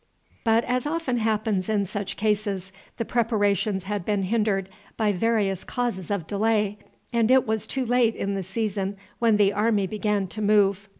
But, as often happens in such cases, the preparations had been hindered by various causes of delay, and it was too late in the season when the army began to move.